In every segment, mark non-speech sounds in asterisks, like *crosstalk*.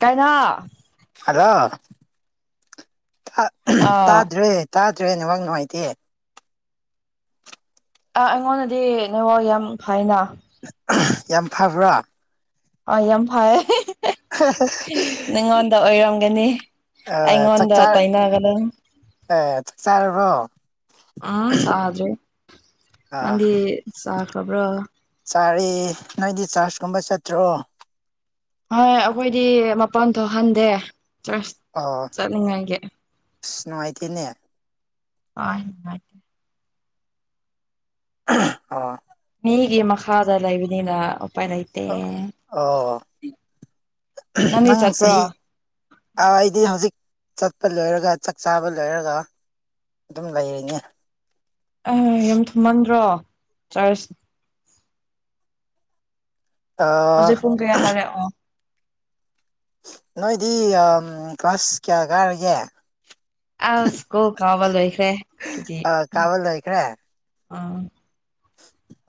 ꯀꯥꯏꯅꯥ ꯑꯗꯣ ꯇꯥꯗ꯭ꯔꯦ ꯇꯥ ꯇ꯭ꯔꯦꯅꯦꯃꯛ ꯅꯨꯡꯉꯥꯏꯇꯦ ꯑ ꯑꯩꯉꯣꯟꯗꯗꯤ ꯅꯉꯣ ꯌꯥꯝ ꯐꯥꯏꯅ ꯌꯥꯝ ꯐꯕ꯭ꯔꯥ ꯑ ꯌꯥꯝ ꯐꯩꯦ ꯅꯉꯣꯟꯗ ꯑꯣꯏꯔꯝꯒꯅꯤ ꯑꯩꯉꯣꯟꯗ ꯆꯥꯛꯆꯥ ꯇꯥꯏꯅꯒꯅꯨ ꯑꯦ ꯆꯥꯛ ꯆꯥꯔꯕꯣ ꯑꯝ ꯆ ꯑꯗꯨ꯭ꯔꯦ ꯑꯥ ꯑꯗꯤ ꯆ ꯈꯕ꯭ꯔ ꯇꯥꯔꯤ ꯅꯣꯏꯗꯤ ꯆꯥꯔꯖꯀꯨꯝꯕ ꯆꯠꯇ꯭ꯔꯣ ꯍꯣꯏ ꯑꯩꯈꯣꯏꯗꯤ ꯃꯄꯥꯟ ꯊꯣꯛꯍꯟꯗꯦ ꯑꯣ ꯆꯠꯅꯤꯡꯉꯥꯏꯒꯤ ꯑꯁ ꯅꯨꯡꯉꯥꯏꯇꯦꯅꯦ ꯍ ꯍ ꯑ ꯍꯒꯤ ꯃ ꯃꯈꯥꯗ ꯂꯩꯕꯅꯤꯅ ꯎꯄꯥꯏ ꯂꯩ ꯂꯩꯇꯦ ꯑ ꯑꯣ ꯅꯪꯗꯤ ꯅꯪ ꯆꯠꯄ꯭ꯔꯣ ꯆꯍꯤ ꯑꯗꯨꯋꯥꯗꯤ ꯍꯧꯖꯤꯛ ꯆꯠꯄ ꯂꯣꯏꯔꯒ ꯆꯥꯛ ꯆꯥꯕ ꯂꯣꯏꯔꯒ ꯑꯗꯨꯝ ꯂꯩꯔꯤꯅꯤ ꯑ ꯌꯥꯝ ꯊꯨꯝꯃꯟꯗ꯭ꯔꯣ ꯆꯥꯏꯔꯁꯤ ꯑ ꯍꯧꯖꯤꯛ ꯄꯨꯡ ꯀꯌꯥ ꯇꯥꯔꯛꯑꯣ ꯅꯣꯏꯗꯤ ꯀ꯭ꯂꯥꯁ ꯀꯌꯥ ꯀꯥꯔꯒꯦ ꯑ ꯁ꯭ꯀꯨꯜ ꯀꯥꯎꯕ ꯂꯣꯏꯈ꯭ꯔꯦꯖꯤ ꯑ ꯀꯥꯕ ꯑ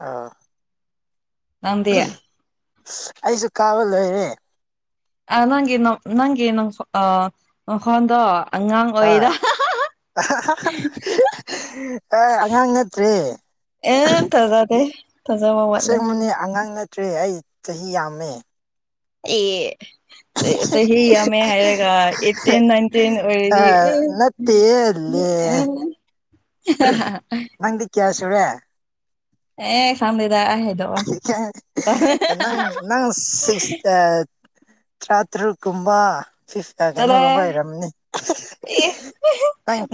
ꯑꯥ ꯅꯟꯌꯥ ꯑꯩꯁꯨ ꯀꯥꯕ ꯂꯣꯏꯔꯦ ꯑ ꯅꯪꯒꯤ ꯅꯪꯒꯤ ꯅꯣꯡꯈꯣꯟꯗꯣ ꯑꯉꯥꯡ ꯑꯣꯏꯔ ꯑ ꯑꯉꯥꯡ ꯅꯠꯇ꯭꯭ꯔꯔꯤ ꯑꯦ ꯇꯖꯥꯗ ꯊꯖꯥ ꯃ ꯋꯥꯠꯂꯦ ꯇ꯭ꯔꯦ ꯑꯩ ꯆꯍꯤ ꯌꯥꯝꯃꯦ ꯑꯦ ꯆꯍꯤ ꯌꯥꯝꯃꯦ ꯍꯥꯏꯔꯒ ꯑꯩꯠꯇꯤꯟ ꯅꯥꯏꯟꯇꯤꯟ ꯑꯣꯏꯔꯗꯤ ꯂꯩꯦ *unintelligible* ꯀꯌꯥꯁꯋꯦ ꯑꯦ ꯁꯗꯗ ꯍꯥꯏꯦ ꯅꯪ ꯅꯪ ꯁꯤ ꯇꯔꯥꯇꯔꯨꯛꯀꯨꯝꯕ ꯐ ꯆꯠꯂꯣꯍꯦ ꯀꯩꯅꯣꯒꯨꯝꯕ ꯍꯔꯝꯅꯤ *unintelligible* ꯑꯦ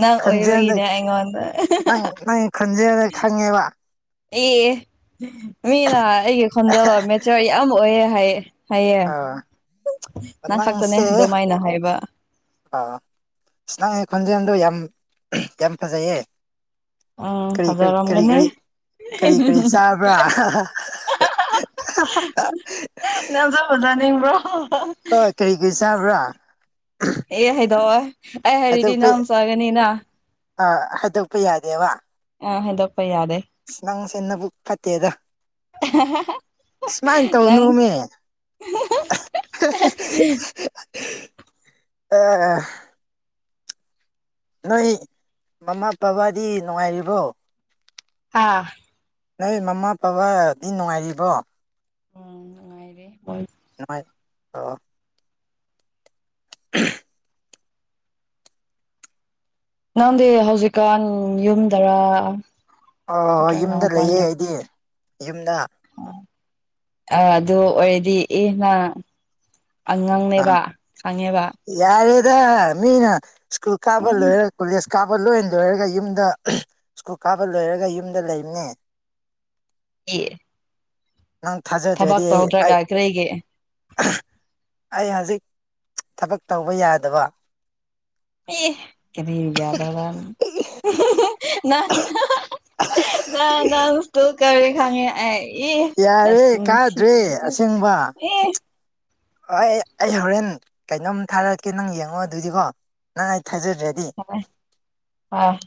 ꯅꯪ ꯈꯣꯟꯖꯦꯜꯗ ꯑꯣꯏꯕꯒꯤꯅꯦ ꯑꯩꯉꯣꯟꯗ ꯅꯪ ꯅꯪ ꯈꯣꯟꯖꯦꯜꯗ ꯈꯪꯉꯦꯕ ꯑꯦ ꯃꯤꯅ ꯑꯩꯒꯤ ꯈꯣꯟꯖꯂ ꯃꯦꯆꯔ ꯌꯥꯝ ꯑꯣꯏꯌꯦꯦ ꯍꯥꯏꯌꯦ ꯑꯥ ꯅꯪ ꯈꯛꯇꯅꯦ ꯅꯁ ꯑꯗꯨꯃꯥꯏꯅ ꯍꯥꯏꯕ ꯑ ꯈꯣꯟꯖ ꯑꯣ ꯌꯥꯝ ꯌꯥꯝ ꯐꯖꯩꯌꯦ ꯑ ꯀꯔꯤ ꯐꯖꯛ ꯀꯔꯤ ꯂꯝ ꯀꯔꯤ ꯀꯅꯤ ꯀꯔꯤ ꯀꯔꯤ ꯀꯔꯤ ꯆꯥꯕ꯭ꯔꯥ ꯅꯖꯖꯥꯅꯤꯡ ꯭ꯔꯣ ꯍꯣꯏ ꯀꯔꯤ ꯀꯔꯤ ꯆꯥꯕ꯭ꯔꯥ ꯑꯦ ꯍꯥꯏꯩꯗꯣꯛꯑꯣ ꯑꯩ ꯍꯥꯏꯔꯗꯤ ꯅꯍꯝ ꯆꯥꯒꯅꯤꯅ ꯑ ꯍꯥꯏꯗꯣꯛꯄ ꯌꯥꯗꯦꯕ ꯑꯦꯗ ꯑꯁ ꯅꯪꯁꯦ ꯅꯕꯨꯛ ꯐꯠꯇꯦꯗ ꯁꯨꯃꯥꯏꯅ ꯇꯧꯅꯨ ꯅꯪ ꯃ ꯑ ꯅꯣꯏ ꯃꯃꯥ ꯄꯕꯕꯥꯗꯤ ꯅꯨꯡꯉꯥꯏꯔꯤꯕꯣ ꯑꯥ ꯅꯣꯏ ꯃꯃꯥ ꯄꯕꯕꯥꯗꯤ ꯅꯨꯡꯉꯥꯏꯔꯤꯕꯣ ꯎꯝ ꯉꯅꯨꯡꯥꯏꯔꯦ ꯅꯥꯏ *inaudible* ꯅꯪꯗꯤ ꯍꯧꯖꯤꯛꯀꯥꯟ ꯌꯨꯝꯗꯔ ꯑꯣ ꯅꯠꯇ꯭ꯔꯒ ꯌꯨꯝꯗ ꯂꯩꯌꯦ ꯃꯄꯥꯟꯗꯔ ꯑꯩꯗꯤ ꯌꯨꯝꯗ ꯑ ꯑꯗꯨ ꯑꯣꯏꯔꯗꯤ ꯏꯅ ꯑ ꯌꯥꯔꯦꯗ ꯃꯤꯅ ꯁ꯭ꯀꯨꯜ ꯀꯥꯕ ꯎꯝ ꯂꯣꯏꯔꯦ ꯀꯣꯂꯦꯖ ꯜ ꯀꯥꯕ ꯂꯣꯏꯔꯅ ꯂꯣꯏꯔꯒ ꯌꯨꯝꯗ ꯁ꯭ꯀꯨꯜ ꯀꯥꯕ ꯂꯣꯏꯔꯒ ꯌꯨꯝꯗ ꯂꯩꯕꯅꯦ ꯍ ꯅꯪ ꯊꯥꯖꯗ꯭ꯔꯗꯤ ꯑꯩ ꯀꯔꯤꯒꯤ ꯑꯩ ꯍꯧꯖꯤꯛ ꯊꯕꯛ ꯇꯧꯕ ꯌꯥꯗꯕ ꯑꯦ ꯀꯔꯤ ꯌꯥꯗ ꯋꯥꯅꯤ ꯅ ꯁꯀꯨꯜ ꯀꯔꯤ ꯈꯉꯦ ꯑ ꯑꯦ ꯌꯥꯔꯦ ꯀꯥꯗ꯭ꯔꯦ ꯑꯁꯦꯡꯕ ꯑꯦ ꯍꯣꯏ ꯑꯩ ꯍꯣꯔꯦꯟ ꯀꯩꯅꯣꯝ ꯊꯥꯔꯛꯀꯦ ꯅꯪ ꯌꯦꯡꯉꯣ ꯑꯗꯨꯗꯤꯀꯣ ꯅꯪ ꯊꯥꯖꯗ꯭ꯔꯗꯤ ꯍꯣꯏ ꯍꯣꯏ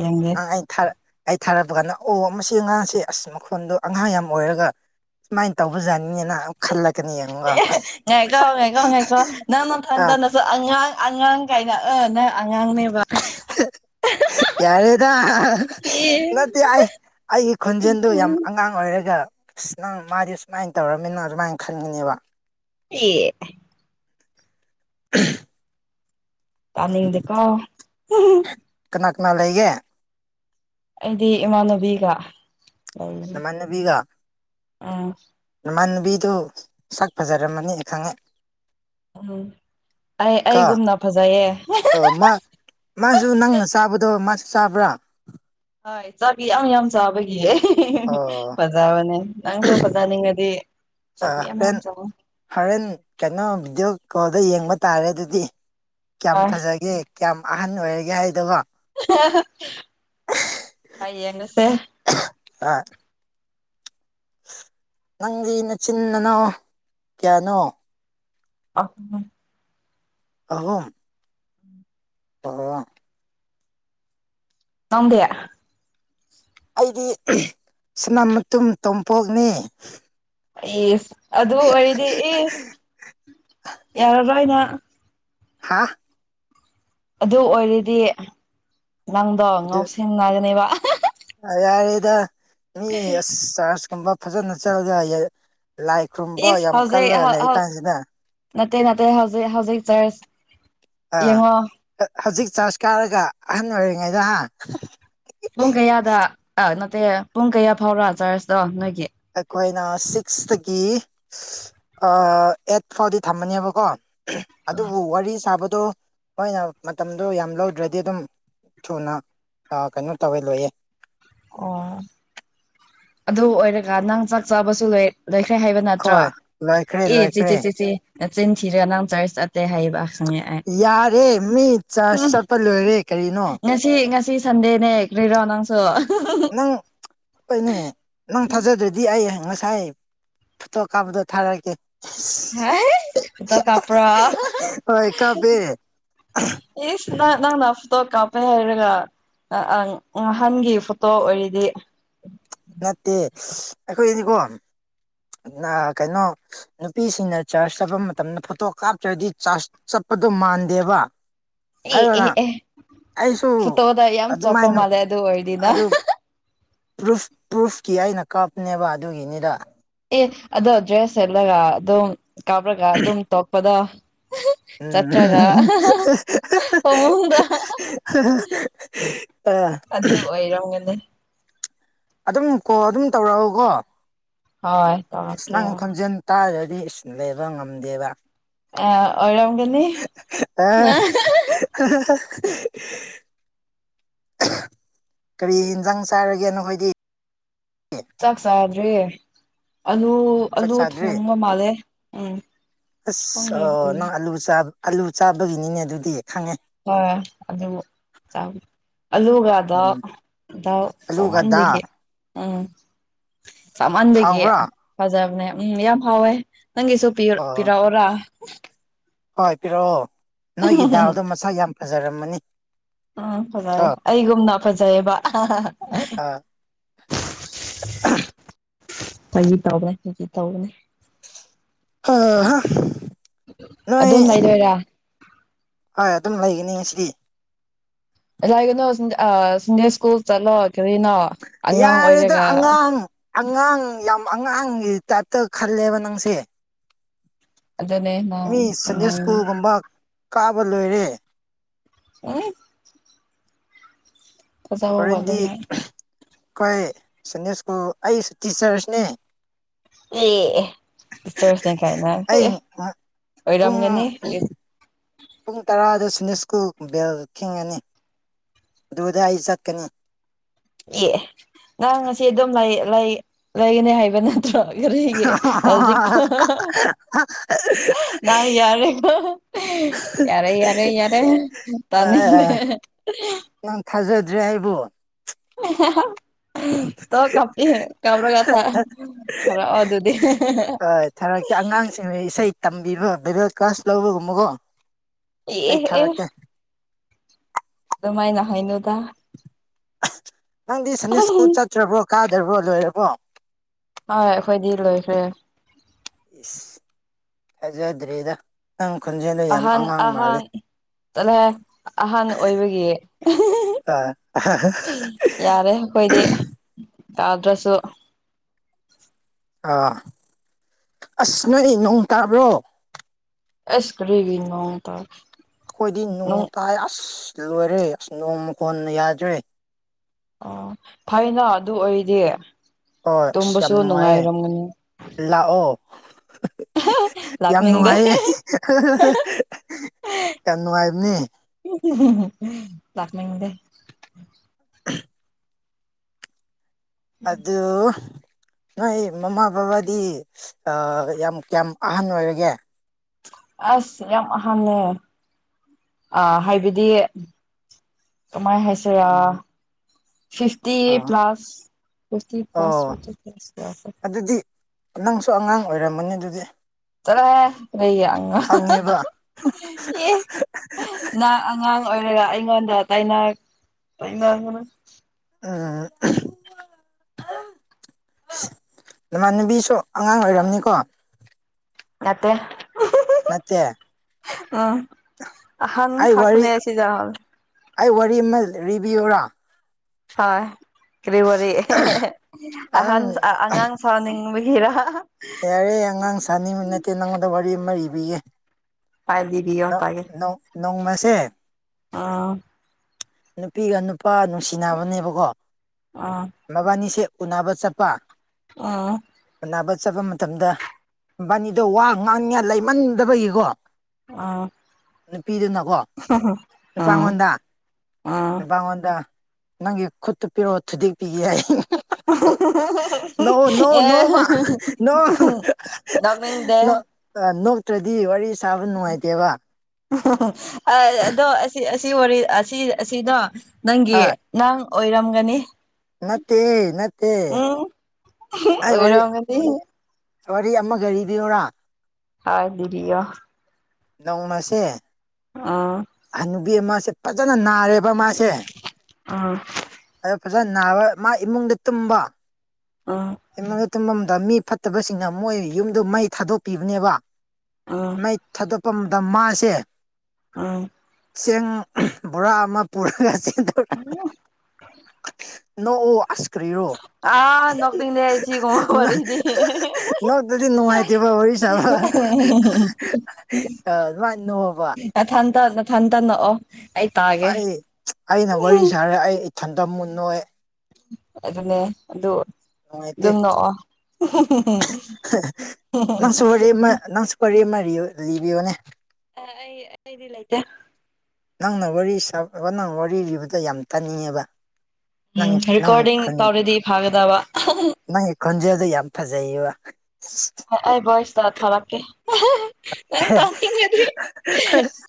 ꯌꯦꯡꯒꯦ ꯅꯪ ꯑꯩ ꯑꯩ ꯊꯥꯔꯛꯄ ꯀꯥꯟꯗ ꯑꯣ ꯃꯁꯤ ꯑꯉꯥꯡꯁꯤꯦ ꯑꯁ ꯃꯈꯣꯟꯗꯣ ꯑꯉꯥꯡ ꯌꯥꯝ ꯑꯣꯏꯔꯒ ꯁꯨꯃꯥꯏꯅ ꯇꯧꯕꯖꯥꯠꯅꯤ ꯅ ꯈꯜꯂꯛ ꯀꯅꯤ ꯌꯦꯉꯅꯨꯡ ꯉꯥꯏꯀꯥꯎ ꯉꯥꯏꯥꯎ ꯉꯥꯏꯀꯥꯎ ꯅꯪ ꯅꯊꯟ ꯑꯥ ꯇꯅꯁꯨ ꯑꯉꯥꯡ ꯑꯉꯥꯡ ꯀꯥꯏꯅ ꯑꯪ ꯑꯉꯥꯡꯅꯦꯕ ꯌꯥꯔꯦꯗ ꯑꯦ ꯅꯠꯇꯦ ꯑꯩ ꯑꯩꯒꯤ ꯈꯣꯟꯖꯦꯜꯗꯨ ꯌꯥꯝ ꯎꯝ ꯑꯉꯥꯡ ꯑꯣꯏꯔꯒ ꯑꯁ ꯅꯪ ꯃꯥꯗꯤ ꯁꯨꯃꯥꯏꯅ ꯇꯧꯔꯃꯤꯅ ꯑꯗꯨꯃꯥꯏꯅ ꯈꯟꯒꯅꯦꯕ ꯍ *inaudible* ꯇꯥꯅꯤꯗꯀꯣ ꯃꯥ ꯂꯩꯒꯦ ꯑꯩꯗꯤ ꯏꯃꯥꯟꯅꯨꯕꯤꯒ ꯅꯅꯕꯕꯤꯒ ꯎꯝ ꯕꯤꯗꯨ ꯁꯛ ꯐꯖꯔꯝꯃꯅꯤ ꯈꯪꯉꯦ ꯎꯝ ꯑꯩ ꯀꯣ ꯑꯩꯒꯨꯝꯅ ꯐꯖꯩꯌꯦ ꯑꯣ ꯃꯥ ꯃꯥꯁꯨ ꯅꯪꯅ ꯆꯥꯕꯗꯕ ꯃꯥꯁꯨ ꯆꯥꯕ꯭ꯔꯥ ꯍ ꯆꯥꯕꯤ ꯌꯥꯝ ꯌꯥꯝ ꯆꯥꯕꯒꯤꯍ ꯑꯣ ꯐꯖꯥꯕꯅꯦ ꯅꯪꯁꯨ ꯐꯖꯥꯅꯤꯡꯉꯗꯤ ꯑ ꯍꯣꯔꯦꯟ ꯍꯣꯔꯦꯟ ꯀꯩꯅꯣ ꯕꯤꯗꯤꯑꯣ ꯀꯣꯗ ꯌꯦꯡꯕ ꯇꯥꯔꯦ ꯑꯗꯨꯗꯤ ꯀꯌꯥꯝ ꯍꯣꯏ ꯐꯖꯒꯦ ꯀꯌꯥꯝ ꯑꯍꯟ ꯑꯣꯏꯔꯒꯦ ꯍꯥꯏꯗꯀꯣ ꯍꯌꯦꯡꯒꯁꯦ ꯑ ꯅꯪꯒꯤ ꯅꯆꯤꯟꯅꯅꯣ ꯀꯌꯥꯅꯣ ꯑ *unintelligible* ꯑꯍꯨꯝ ꯇ *unintelligible* ꯅꯗꯌꯥ ꯑꯩꯗꯤ ꯁꯅ ꯃꯇꯨꯝ ꯇꯣꯝꯄꯣꯛꯅꯤ ꯑꯦꯁ ꯑꯗꯨ ꯑꯣꯏꯔꯗꯤ ꯑꯦꯐ ꯌꯥꯔꯕ ꯍꯥꯏꯅ ꯍꯥꯥ ꯑꯗꯨ ꯑꯣꯏꯔꯗꯤ ꯅꯪꯗꯣ ꯑꯗꯨ ꯉꯥꯎꯁꯦꯡꯅꯒꯅꯦꯕ ꯌꯥꯔꯦꯗ ꯃꯤ ꯑꯁ ꯆꯥꯔꯖ ꯀꯨꯝꯕ ꯐꯖꯅ ꯆꯠꯂꯒ ꯂꯥꯏ ꯈꯨꯔꯨꯝꯕ ꯏꯁ ꯌꯥꯝ ꯍꯧꯖꯤꯛ ꯀꯜꯂꯒ ꯍꯧ ꯂꯩ ꯍꯧ ꯀꯥꯟꯁꯤꯗ ꯅꯠꯇꯦ ꯅꯠꯇꯦ ꯍꯧꯖꯤꯛ ꯍꯧꯖꯤꯛ ꯆꯔꯁ ꯑꯥ ꯍꯧꯖꯤꯛ ꯆꯥꯔꯖ ꯀꯥꯔꯒ ꯑꯍꯟ ꯑꯣꯏꯔꯤꯉꯩꯗ ꯄꯨꯡ ꯀꯌꯥꯗ ꯅꯠꯇꯦ ꯄꯨꯡ ꯀꯌꯥ ꯐꯥꯎꯔ ꯆꯥꯔꯁꯇꯣ ꯅꯣꯏꯒꯤ ꯑꯩꯈꯣꯏꯅ ꯁꯤꯛꯁꯇꯒꯤ ꯑꯩꯠ ꯐꯥꯎꯗꯤ ꯊꯝꯃꯅꯦꯕꯀꯣ ꯑꯗꯨꯕꯨ ꯋꯥꯔꯤ ꯁꯥꯕꯗꯣ ꯃꯣꯏꯅ ꯃꯇꯝꯗꯣ ꯌꯥꯝ ꯂꯧꯗ꯭ꯔꯗꯤ ꯑꯗꯨꯝ ꯊꯨꯅ ꯀꯩꯅꯣ ꯇꯧꯋꯦ ꯂꯣꯏꯌꯦꯦ ꯑꯣ ꯑꯗꯨ ꯑꯣꯏꯔꯒ ꯅꯪ ꯆꯥꯛ ꯆꯥꯕꯁꯨ ꯂꯣꯏ ꯂꯣꯏꯈ꯭ꯔꯦ ꯍꯥꯏꯕ ꯅꯠꯇ꯭ꯔꯣ ꯍꯣꯏ ꯂꯣꯏꯈ꯭ꯔꯦ ꯑꯦ ꯆꯦꯆꯦ ꯂꯣꯏꯈ꯭ꯔꯦ ꯆꯦꯆꯦ ꯆꯤꯟꯈꯤꯔꯒ ꯅꯪ ꯆꯥꯔꯁ ꯆꯠꯠꯇꯦ ꯍꯥꯏꯌꯦꯕ ꯌꯥꯔꯦ ꯃꯤ ꯎꯝ ꯆꯠꯄ ꯂꯣꯏꯔꯦ ꯀꯔꯤꯅꯣ ꯁꯟꯗꯦꯅꯦꯔꯤ ꯔꯣꯅꯥꯪꯁꯨ ꯅꯪ ꯀꯅꯤ ꯅꯪ ꯊꯥꯖꯗ꯭ꯔꯗꯤ ꯑꯩ ꯍꯥꯏ ꯉꯁꯥꯏ ꯐꯣꯇꯣ ꯀꯥꯞꯄꯗꯣ ꯊꯥꯔꯛꯀꯦ ꯍꯥꯗ ꯀꯄ꯭ꯔ ꯍꯣꯏ ꯀꯥꯞꯄꯦ ꯑꯦ ꯏꯁꯅ ꯅ ꯅꯇ ꯀꯞ ꯩ ꯍꯥꯏꯔꯒ ꯅꯍꯥꯟꯒꯤ ꯐꯣꯇꯣ ꯑꯣꯏꯔꯤꯗꯤ ꯑꯩꯈꯣꯏ ꯏꯅꯤꯀꯣ ꯀꯩꯅꯣ ꯅꯨꯄꯤꯁꯤꯡꯅ ꯆꯥꯔꯖ ꯆꯠꯄ ꯃꯇꯝꯗ ꯐꯣꯇꯣ ꯀꯥꯞꯇ꯭ꯔꯗꯤ ꯆꯥꯔꯖ ꯆꯠ ꯑꯗꯣ ꯃꯥꯟꯗꯦꯕ ꯑꯦ ꯑꯦ ꯑꯗꯨꯒ ꯑꯦ ꯑꯩꯁꯨ ꯐꯣꯇꯣꯗ ꯌꯥꯝ ꯆꯣꯞꯄ ꯑꯗꯨꯃꯥꯏꯅ ꯃꯥꯜꯂꯦ ꯑꯗꯨ ꯑꯣꯏꯔꯗꯤ ꯅꯪ ꯑꯗꯨ ꯄ꯭ꯔꯨꯐ ꯄ꯭ꯔꯨꯐꯀꯤ ꯑꯩꯅ ꯀꯥꯞꯅꯦꯕ ꯑꯗꯨꯒꯤꯅꯤꯗ ꯑꯦ ꯑꯗꯣ ꯗ꯭ꯔꯦꯁ ꯁꯦꯠꯂꯒ ꯑꯗꯨꯝ ꯀꯥꯞꯔꯒ ꯑꯗꯨꯝ ꯇꯣꯛꯄꯗ ꯎꯝ ꯆꯠꯠꯇꯒ ꯑꯣ ꯃꯗ ꯑꯦ ꯑꯗꯨꯗ ꯑꯣꯏꯔꯣꯒꯅꯦ ꯑꯗꯨꯝ ꯀꯣ ꯑꯗꯨꯝ ꯇꯧꯔꯛꯑꯣꯀꯣ ꯍꯣꯏ ꯇꯧꯔꯛꯀꯦ ꯏꯁꯅꯥꯥꯡ ꯍꯣꯏ ꯈꯣꯟꯖꯦꯜ ꯇꯥꯔꯗꯤ ꯏꯁ ꯂꯩꯕ ꯉꯝꯗꯦꯕ ꯑꯥ ꯑꯣꯔꯒꯅꯤ ꯑꯦ ꯑꯦ *inaudible* ꯀꯔꯤ ꯌꯦꯟꯖꯥꯡ ꯆꯥꯔꯒꯦ ꯅꯈꯣꯏꯗꯤ ꯆꯥꯛ ꯁꯥꯗ꯭ꯔꯤ ꯆꯥꯛ ꯆꯥꯗ꯭ꯔꯤ ꯃꯥꯜꯂꯦ ꯎꯝ ꯑꯁ ꯅꯪ ꯑꯂꯨ ꯆꯥꯕ ꯑꯂꯨ ꯆꯥꯕꯒꯤꯅꯤꯅꯦ ꯑꯗꯨꯗꯤ ꯈꯪꯉꯦ ꯍꯣꯏ ꯑꯗꯨ ꯆꯥ ꯑꯂꯨꯒꯗ ꯎꯝ ꯏꯗ ꯑꯂꯨꯒ ꯗꯥꯜ ꯆꯃꯟꯒꯤ ꯎꯝ ꯆꯞꯃꯟꯗꯒꯤ ꯍꯥꯎꯕ꯭ꯔꯥ ꯐꯖꯕꯅꯦ ꯎꯝ ꯌꯥꯝ ꯍꯥꯎꯋꯦ ꯅꯪꯒꯤꯁꯨ ꯑꯣ ꯄꯤꯔꯛꯑꯣꯔꯥ ꯍ ꯍꯣꯏ ꯄꯤꯔꯛꯑꯣ ꯅꯣꯏꯒꯤ ꯗꯥꯜꯗꯣ ꯃꯁꯥ ꯌꯥꯝ ꯐꯖꯔꯝꯃꯅꯤ ꯎꯝ ꯐꯖꯔꯦ ꯀꯣ ꯑꯩꯒꯨꯝꯅ ꯐꯖꯩꯌꯦꯕ ꯀꯔꯤ ꯑ *inaudible* ꯐꯖꯤ ꯇꯧꯕꯅꯦ ꯐꯖꯤ ꯇꯧꯕꯅꯦ ꯑ ꯅꯣꯏ ꯑꯗꯨꯝ ꯂꯩꯗꯣꯏꯔꯥ ꯑꯗꯨꯪ ꯂꯩꯒꯅꯤ ꯉꯁꯤꯗꯤ ꯅ ꯑ ꯁꯅꯤꯦ ꯁꯀꯨꯜ ꯆꯂꯣ ꯌꯥꯔꯦꯗ ꯑꯉꯥꯡ ꯑꯉꯥꯡ ꯌꯥꯝ ꯑꯉꯥꯡ ꯇꯇ ꯈꯜꯂꯦꯕ ꯅꯪꯁꯦ ꯑꯗꯨꯅꯦ ꯃꯤ ꯅꯪ ꯁꯟꯗꯌ ꯑꯉꯥꯡ ꯁ꯭ꯀꯨꯜꯒꯨꯝꯕ ꯀꯥꯕ ꯂꯣꯏꯔꯦ ꯑ ꯀꯖꯥꯕ ꯋꯥ ꯍꯣꯔꯦꯟꯗꯤ ꯑꯗꯨꯅ ꯑꯩꯈꯣꯏ ꯁꯅꯤꯁꯀꯨ ꯑꯩꯁꯨ ꯇꯤꯆꯔꯁꯅꯦ ꯑꯦ ꯏꯁꯔꯁꯅꯦ ꯀꯥꯏꯅ ꯑꯩ ꯄꯨꯡ ꯑꯣꯏꯔꯝꯒꯅꯤ ꯑꯗꯨꯗ ꯁꯨꯅꯤꯁꯀꯨ ꯕꯦꯜ ꯊꯦꯡꯉꯅꯤ ꯑꯗꯨꯗ ꯑꯩ ꯆꯠꯀꯅꯤ ꯑꯦ ꯅꯪ ꯉꯁꯤ ꯑꯗꯨꯝ ꯂꯩꯒꯅꯤ ꯍꯥꯏꯕꯅ ꯒ ꯍꯧꯖꯤꯛ ꯅ ꯌꯥꯔꯦꯀꯣ ꯌꯥꯔꯦ ꯌꯥꯔꯦ ꯌꯥꯔꯦ ꯇꯅꯤ ꯉꯥ ꯀꯩꯅꯨꯪꯒ ꯂꯂꯨ ꯌꯥꯝ ꯊꯥꯖꯗ꯭ꯔꯦ ꯑꯩꯕꯨ *unintelligible* ꯇ ꯀ ꯀꯃꯔꯒ ꯊ ꯈꯔ ꯑꯗꯨꯗꯤ ꯊꯥꯔꯛꯀꯤ ꯑꯉꯥꯡꯁꯤꯡ ꯂꯩ ꯇꯝꯕꯕꯤꯕ ꯕ ꯀꯥꯁ ꯂꯕꯒ ꯃꯒꯣ ꯑꯦ ꯑꯦ ꯑꯗꯨꯃꯥꯏꯅ ꯍꯥꯏꯣꯏꯅꯗ ꯅꯪꯗꯤ ꯁꯟꯗꯦ ꯁꯀꯨꯜ ꯆꯠꯇ꯭ꯔꯕ꯭ꯔꯣ ꯀꯥꯗ꯭ꯔꯕ꯭ꯔꯣ ꯂꯣꯏꯔꯕꯣ ꯍꯣꯏ ꯑꯩꯈꯣꯏꯗꯤ ꯂꯣꯏꯈ꯭ꯔꯦ ꯏꯁ ꯍꯥꯏꯖꯗ꯭ꯔꯦꯗ ꯅꯪ ꯈꯣꯟꯖꯦꯜꯗ ꯌꯥꯝ ꯑꯍꯥꯟ ꯑꯉꯥꯡ ꯃꯥꯜꯂꯤ ꯑꯍꯥꯟ ꯆꯠꯂꯦ ꯑꯍꯥꯟꯕ ꯑꯣꯏꯕꯒꯤ ꯑ ꯌꯥꯔꯦ ꯑꯩꯈꯣꯏꯗꯤ ꯌꯥꯥꯗ꯭ꯔꯁꯨ ꯑꯥ ꯑꯁ ꯅꯣꯏ ꯅꯣꯡ ꯇꯥꯕ꯭ꯔꯣ ꯑꯦꯁ ꯀꯔꯤꯒꯤ ꯉꯣ ꯇ ꯑꯩꯈꯣꯏꯗꯤ ꯅꯣꯡ ꯇꯥꯏ ꯑꯁ ꯂꯣꯏꯔꯦ ꯑꯁ ꯅꯣꯡꯃ ꯀꯣꯟꯅ ꯌꯥꯗ꯭ꯔꯦ ꯑꯣ ꯐꯅ ꯑꯗꯨ ꯑꯣꯏꯔꯗꯤ ꯍꯣꯏ ꯑꯁ ꯇꯨꯝꯕꯁꯨ ꯌꯥꯝ ꯅꯨꯡꯉꯥꯏꯌꯦ ꯅꯨꯡꯉꯥꯏꯔꯝꯒꯅꯤ ꯂꯥꯛꯑꯣ ꯌꯥꯝ ꯂꯥꯛꯅꯤꯡꯗꯦ ꯅꯨꯡꯉꯥꯏꯌꯦꯦ ꯀꯥꯟꯅꯅꯨꯡꯉꯥꯏꯕꯅꯤ *unintelligible* ꯂꯥꯛꯃꯤꯗꯦ *unintelligible* ꯑꯗꯨꯗ ꯅꯣꯏ ꯃꯃꯥ ꯕꯕꯥꯗꯤ ꯌꯥꯝ ꯀꯌꯥꯝ ꯑꯍꯟ ꯑꯣꯏꯔꯒꯦ ꯑꯁ ꯌꯥꯝ ꯑꯍꯜꯂ ꯑ ꯍꯥꯏꯕꯗꯤ ꯀꯃꯥꯏ ꯍꯥꯏꯁꯤꯔꯥ ꯐꯤꯇꯤ ꯑ ꯄ꯭ꯂꯥꯁ ꯑꯣ ꯐꯇꯤ ꯑꯗꯨꯗꯤ ꯅꯪꯁꯨ ꯑꯉꯥꯡ ꯑꯣꯏꯔꯝꯃꯅꯤ ꯑꯗꯨꯗꯤ ꯆꯂ ꯑꯉ ꯈꯪꯉꯦꯕ ꯑꯉ ꯑꯉꯥꯡ ꯑꯣꯏꯔꯒ ꯑꯩꯉꯣꯟꯗ ꯑ ꯃꯃꯥꯟꯅꯕꯤꯁꯨ ꯑꯉꯥꯡ ꯑꯣꯏꯔꯝꯅꯤꯀꯣ ꯃꯠꯇꯦ ꯅꯠꯇꯦ ꯎꯝ ꯑꯍꯥꯟ ꯑꯩ ꯋꯥꯔꯤ ꯈꯀꯅ ꯑꯁꯤ ꯌꯥꯍꯜ ꯔꯤꯕꯌꯣꯔꯥ ꯍꯣꯏ ꯀ ꯋꯥꯔꯤ ꯑꯗꯨꯝ ꯑꯍꯟ ꯑꯉꯥꯡ ꯁꯥꯎꯅꯤꯡ ꯒꯦꯔꯥ ꯌꯥꯔꯦ ꯑꯉꯥꯡ ꯁꯥꯅꯤꯡꯃꯤ ꯅꯠꯇꯦ ꯅꯪꯉꯣꯟꯗ ꯋꯥꯔꯤ ꯑꯃ ꯂꯤꯕꯤꯒꯦ ꯐꯥꯏꯚꯕꯤꯇꯥꯒꯦ ꯅꯣꯡꯃꯁꯦ ꯑꯥ ꯅꯨꯄꯤꯒ ꯅꯨꯄꯥ ꯅꯨꯡꯁꯤꯅꯕꯅꯦꯕꯀꯣ ꯎꯝ ꯃꯕꯥꯅꯤꯁꯦ ꯎꯅꯥꯅꯕ ꯆꯠꯄ ꯑ ꯅꯕ ꯆꯠꯄ ꯃꯇꯝꯗ ꯀꯝꯕꯥꯅꯤꯗꯣ ꯋꯥ ꯉꯥꯡꯅꯤꯉ ꯂꯩꯃꯟꯗꯕꯒꯤꯀꯣ ꯑ ꯅꯨꯄꯤꯗꯨꯅꯀꯣ ꯅꯨꯄꯥꯉꯣꯟꯗ ꯎꯝ ꯅꯨꯄꯥꯉꯣꯟꯗ ꯅꯪꯒꯤ ꯈꯨꯠꯇꯨ ꯄꯤꯔꯛꯑꯣ ꯊꯨꯗꯦꯛꯄꯤꯤꯈꯤꯏ ꯅꯣꯡ ꯅꯣꯡ ꯑꯦ ꯅꯣꯡꯃ ꯅꯣꯛꯅꯤꯡꯗꯦ ꯅꯣ ꯅꯣꯛꯇ꯭ꯔꯗꯤ ꯋꯥꯔꯤ ꯁꯥꯕ ꯅꯨꯡꯉꯥꯏꯇꯦꯕ ꯑꯗꯣ ꯑꯁꯤ ꯋꯥꯔꯤ ꯑꯁꯤ ꯑꯁꯤꯗꯣ ꯅꯪꯒꯤ ꯍꯣꯏ ꯅꯥꯡ ꯑꯣꯏꯔꯝꯒꯅꯤ ꯅꯠꯇꯦ ꯅꯠꯇꯦ ꯎꯝ ꯑꯩ ꯋꯥꯔꯤ ꯑꯣꯏꯔꯝꯒꯅꯤ ꯋꯥꯔꯤ ꯑꯃꯒꯔꯤꯔꯤꯕꯔꯥ ꯍꯥꯏꯗꯔꯤꯌꯥꯣ ꯅꯧ ꯃꯥꯁꯦ ꯑꯥ ꯅꯨꯄꯤ ꯑꯃꯁꯦ ꯐꯖꯅ ꯅꯥꯔꯦꯕ ꯃꯥꯁꯦ ꯑꯥ ꯑꯗꯣ ꯐꯖꯅ ꯅꯥꯕ ꯃꯥ ꯏꯃꯨꯡꯗ ꯇꯨꯝꯕ ꯎꯝ ꯇꯨꯝꯗ ꯃꯤ ꯐꯠꯇꯕꯁꯤꯡꯅ ꯃꯣꯏ ꯌꯨꯝꯗ ꯃꯩ ꯊꯥꯗꯣꯛꯄꯤꯕꯅꯦꯕ ꯎꯝ ꯃꯩ ꯊꯥꯗꯣꯛꯄ ꯃꯇꯝꯗ ꯃꯥꯁꯦ ꯎꯝ ꯆꯦꯡ ꯕꯣꯔꯥ ꯑꯃ ꯄꯨꯔꯒ ꯆ ꯎꯝ ꯅ ꯑꯣ ꯑꯁ ꯀꯔꯤꯔꯣ ꯑꯥ ꯅꯣꯛꯅꯤꯡꯉꯦ ꯁꯤꯒꯨꯝꯕ ꯋꯥꯔꯤꯗꯤ ꯅꯪꯗꯗꯤ ꯅꯨꯡꯉꯥꯏꯇꯦꯕ ꯋꯥꯔꯤ ꯁꯥꯕ ꯑ ꯋꯥꯅꯣꯕ ꯊꯟꯇ ꯅꯛꯑꯣ ꯑꯩ ꯑꯩꯅ ꯋꯥꯔꯤ ꯁꯥꯔꯦ ꯑꯩ ꯏꯊꯟꯇꯝ ꯃꯨꯟꯟꯅꯣꯏ ꯑꯗꯨꯅꯦ ꯑꯗꯨ ꯅꯨꯡꯉꯥꯏꯇꯦ ꯑꯗꯨꯝ ꯅꯣꯛꯑꯣ ꯅꯪꯁꯨ ꯋꯥꯔꯤ ꯑꯃ ꯅꯪꯁꯨ ꯋꯥꯔꯤꯦ ꯑꯃ ꯂꯤꯔꯤꯕꯣꯅꯦ ꯑ ꯑꯩ ꯑꯩꯗꯤ ꯂꯩꯇꯦ ꯅꯪꯅ ꯋꯥꯔꯤ ꯁꯥꯕ ꯅꯪꯅ ꯋꯥꯔꯤ ꯂꯤꯔꯤꯕꯗ ꯌꯥꯝ ꯇꯥꯅꯤꯡꯉꯦꯕ ꯎꯝ ꯅꯪ ꯔꯦꯀꯣꯔꯗꯤꯡ ꯇꯧꯔꯗꯤ ꯐꯥꯒꯗꯕ ꯅꯪ ꯈꯨꯣꯟꯖꯦ ꯑꯗꯨ ꯌꯥꯝ ꯐꯖ ꯏꯕ ꯑꯩꯕꯣꯏꯁꯇ ꯊꯔꯀꯦ *unintelligible*